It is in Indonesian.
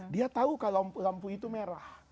dia tahu kalau lampu itu merah